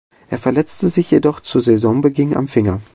Er verletzte sich jedoch zu Saisonbeginn am Finger.